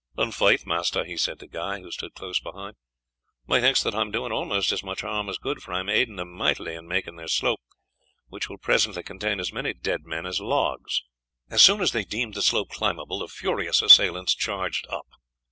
"In faith, master," he said to Guy, who stood close behind, "methinks that I am doing almost as much harm as good, for I am aiding them mightily in making their slope, which will presently contain as many dead men as logs." As soon as they deemed the slope climbable the furious assailants charged up.